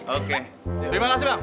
oke terima kasih mbak